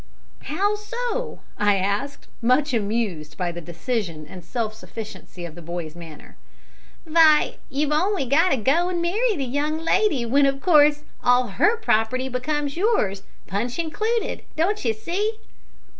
"How so?" I asked, much amused by the decision and self sufficiency of the boy's manner. "Vy, you've on'y got to go and marry the young lady, w'en, of course, all her property becomes yours, Punch included, don't you see?"